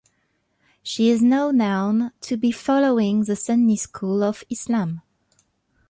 She is now known to be following the Sunni school of Islam.